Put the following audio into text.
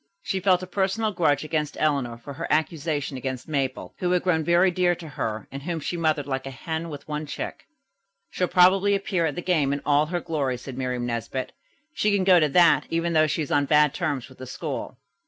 She felt a personal grudge against Eleanor for her accusation against Mabel, who had grown very dear to her and whom she mothered like a hen with one chicken. "She'll probably appear at the game in all her glory," said Miriam Nesbit. "She can go to that, even though she is on bad terms with the school."